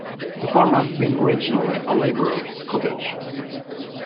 The farm had been originally a labourer’s cottage.